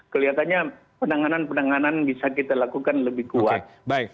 kelihatannya penanganan penanganan bisa kita lakukan lebih kuat